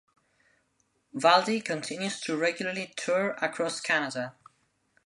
Valdy continues to regularly tour across Canada.